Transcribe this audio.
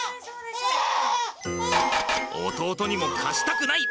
弟にも貸したくない！